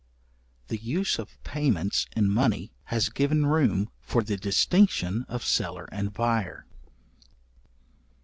The use of payments in money, has given room for the distinction of seller and buyer.